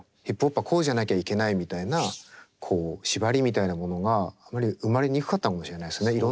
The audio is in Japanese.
ヒップホップはこうじゃなきゃいけないみたいなこう縛りみたいなものがあまり生まれにくかったのかもしれないですね。